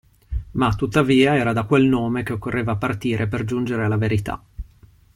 Ma tuttavia era da quel nome che occorreva partire per giungere alla verità.